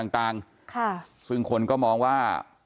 ต่างค่ะซึ่งคนก็มองว่า